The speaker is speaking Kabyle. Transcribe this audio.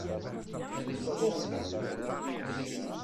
Bɣiɣ-k.